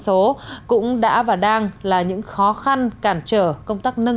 số cũng đã và đang là những khó khăn cản chế khó khăn